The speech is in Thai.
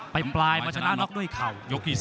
ไปปลายมาชนะน็อตด้วยเข่า